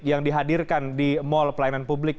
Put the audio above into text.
yang dihadirkan di mall pelayanan publik